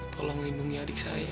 tolong lindungi adik saya